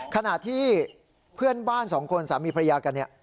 ขณะที่เพื่อนบ้าน๒คนสามีพรรยากัน